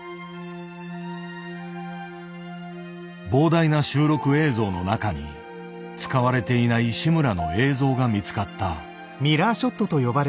膨大な収録映像の中に使われていない志村の映像が見つかった。